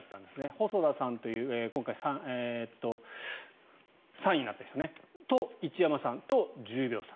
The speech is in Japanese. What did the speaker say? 細田さんという今回、３位になった人と一山さんと１０秒差。